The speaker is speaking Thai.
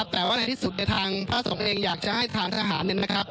แต่ว่าในที่สุดทางพระสงฆ์เองอยากจะให้ทางทหาร